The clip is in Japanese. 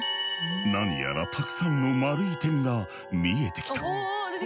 何やらたくさんの丸い点が見えてきた。